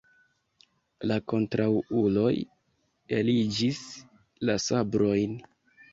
La kontraŭuloj eligis la sabrojn.